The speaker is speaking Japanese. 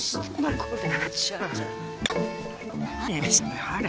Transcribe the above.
これ。